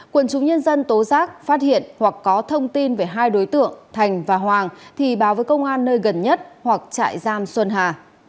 quân chúng nhân dân tố giác phát hiện hoặc có thông tin về hai đối tượng thành và hoàng thì báo với công an nơi gần nhất hoặc trại giam xuân hà